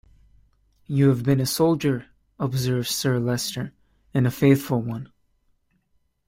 "You have been a soldier," observes Sir Leicester, "and a faithful one."